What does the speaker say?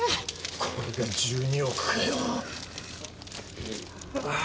これが１２億かよ。